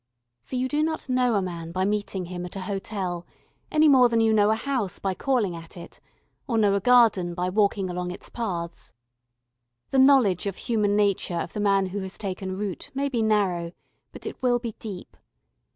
For you do not know a man by meeting him at an hotel, any more than you know a house by calling at it, or know a garden by walking along its paths. The knowledge of human nature of the man who has taken root may be narrow, but it will be deep.